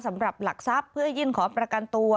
สำหรับหลักทรัพย์เพื่อยื่นขอประกันตัว